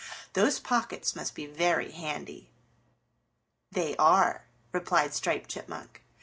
Those pockets must be very handy." "They are," replied Striped Chipmunk.